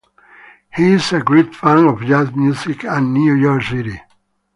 He is a great fan of jazz music and New York City.